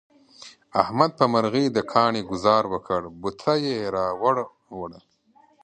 احمد په مرغی د کاڼي گذار وکړ، بوڅه یې را وړوله.